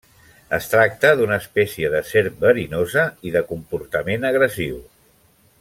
Es tracta d'una espècie de serp verinosa, i de comportament agressiu.